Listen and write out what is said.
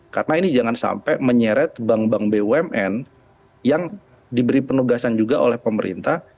karena ini jangan sampai menyeret bank bank bumn yang diberi penugasan juga oleh pemerintah